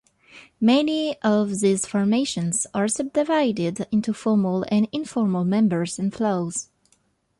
Many of these formations are subdivided into formal and informal members and flows.